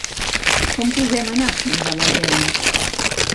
Com podem anar fins a l'Alguenya?